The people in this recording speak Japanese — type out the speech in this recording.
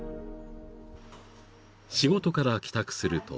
［仕事から帰宅すると］